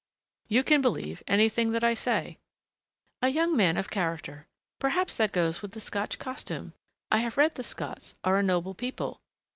"You can believe anything that I say." "A young man of character! Perhaps that goes with the Scotch costume. I have read the Scots are a noble people."